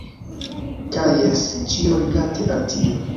Kaj jes! Ĉio rilate al tio.